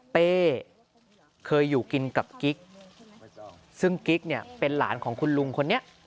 เคยอยู่กินกับกิ๊กซึ่งกิ๊กเนี่ยเป็นหลานของคุณลุงคนนี้